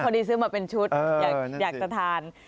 ซื้อมาเป็นชุดอยากจะทาน